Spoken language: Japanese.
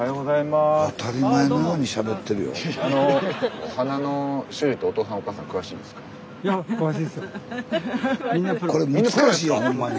スタジオこれ難しいよほんまに。